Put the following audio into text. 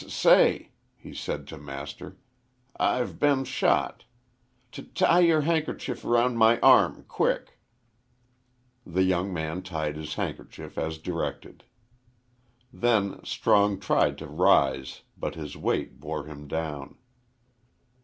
"S say," he said to Master, "I've been shot. T tie yer han'kerchief r round my arm quick." The young man tied his handkerchief as directed. Then Strong tried to rise, but his weight bore him down.